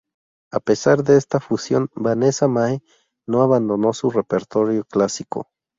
A pesar de esta fusión, Vanessa Mae no abandonó su repertorio clásico.